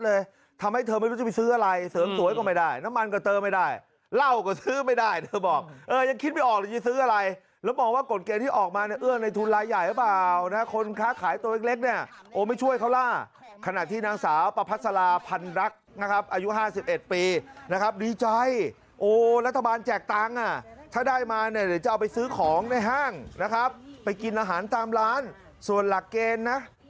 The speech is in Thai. แล้วออกเลยจะซื้ออะไรแล้วมองว่ากดเกณฑ์ที่ออกมาเนี่ยอื้อในทุนลายใหญ่หรือเปล่าคนขาขายตัวเล็กเนี่ยโอ้ไม่ช่วยเขาล่ะขณะที่นางสาวปราณัสลาภัณฑ์รักษ์นะครับอายุ๕๑ปีนะครับดีใจโอ้รัฐบาลแจกตังค์อะถ้าได้มาเนี่ยเดี๋ยวจะเอาไปซื้อของในห้างนะครับไปกินอาหารตามร้านส่วน